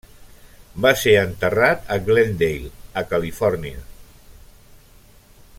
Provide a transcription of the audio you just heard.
Va ser enterrat a Glendale, a Califòrnia.